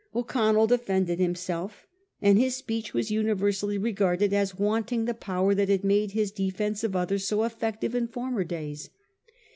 O'Connell defended himself; and his speech was universally regarded as wanting the power that had made his defence of others so effective in former days.